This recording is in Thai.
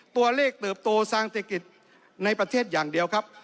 เติบโตสร้างเศรษฐกิจในประเทศอย่างเดียวครับ